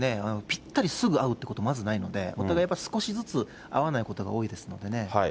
ぴったりすぐ合うってこと、まずないので、お互いやっぱり少しずつ合わないことが多いですのでね。